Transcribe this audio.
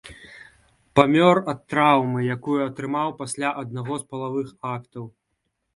Памёр ад траўмы, якую атрымаў пасля аднаго з палавых актаў.